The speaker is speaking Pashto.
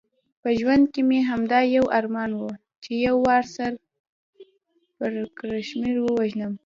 په ژوند کې مې همدا یو ارمان و، چې یو سر پړکمشر ووژنم.